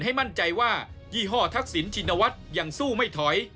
ให้มั่นใจว่ายี่ห้อทักษิณชินวัฒน์ยังสู้ไม่ถอย